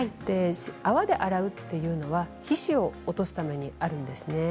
泡で洗うというのは皮脂を落とすためにあるんですね。